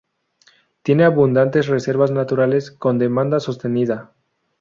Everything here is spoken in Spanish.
Tiene abundantes reservas naturales, con demanda sostenida.